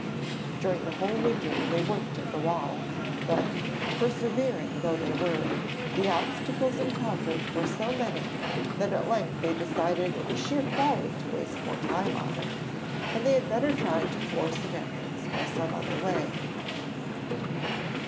During the whole winter they worked at the wall, but, persevering though they were, the obstacles encountered were so many that at length they decided it was sheer folly to waste more time on it, and they had better try to force an entrance by some other way.